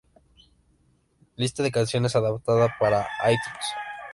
Lista de canciones adaptada para iTunes.